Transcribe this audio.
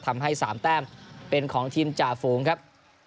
ทำให้๓แต้มเป็นของทีมจ่าฝูงครับ